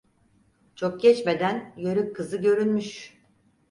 Çok geçmeden yörük kızı görünmüş…